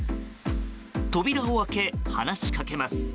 扉を開け、話しかけます。